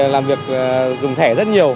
làm việc dùng thẻ rất nhiều